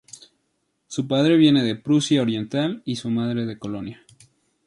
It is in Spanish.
Su padre viene de Prusia Oriental y su madre de Colonia.